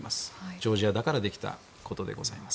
ジョージアだからできたことでございます。